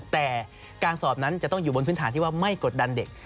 แต่การสอบนั้นจะต้องอยู่บนพื้นฐานที่ว่าไม่กดดันเด็ก